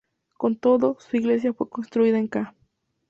Con todo, su iglesia fue construida en ca.